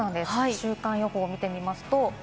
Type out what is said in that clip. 週間予報を見てみます。